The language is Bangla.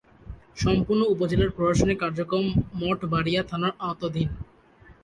সম্পূর্ণ উপজেলার প্রশাসনিক কার্যক্রম মঠবাড়িয়া থানার আওতাধীন।